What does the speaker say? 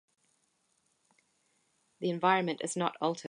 The environment is not altered.